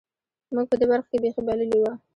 موږ په دې برخه کې بېخي بایللې وه.